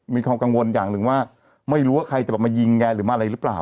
มีความกังวลอย่างหนึ่งว่าไม่รู้ว่าใครจะมายิงแกหรือมาอะไรหรือเปล่า